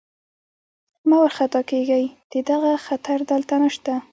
مه وارخطا کېږئ، د دغه خطر دلته نشته.